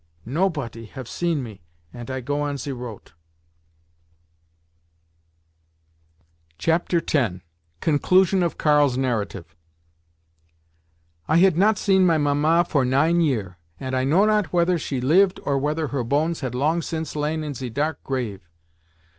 Nopoty have seen me, ant I go on ze roat." X. CONCLUSION OF KARL'S NARRATIVE "I had not seen my Mamma for nine year, ant I know not whether she lived or whether her bones had long since lain in ze dark grave.